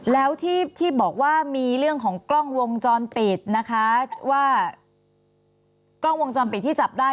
แล้วที่บอกว่ามีเรื่องของกล้องวงจรปิดนะคะว่ากล้องวงจรปิดที่จับได้